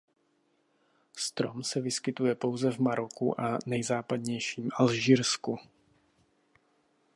Strom se vyskytuje pouze v Maroku a nejzápadnějším Alžírsku.